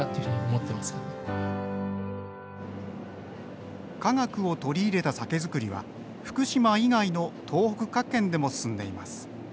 私は科学を取り入れた酒造りは福島以外の東北各県でも進んでいます